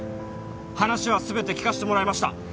話はすべて聞かしてもらいました